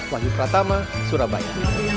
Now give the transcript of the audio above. wali pratama surabaya